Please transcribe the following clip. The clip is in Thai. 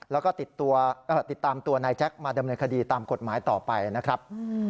แล้วก็ติดตามตัวนายแจ๊คมาดำเนินคดีตามกฎหมายต่อไปนะครับ